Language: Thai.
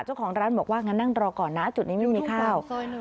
เจ้าของร้านบอกว่างั้นนั่งรอก่อนนะจุดนี้ไม่มีข้าว